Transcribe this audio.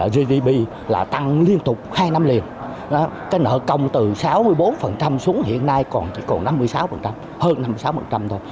gdp tăng liên tục hai năm liền nợ công từ sáu mươi bốn xuống hiện nay còn năm mươi sáu hơn năm mươi sáu thôi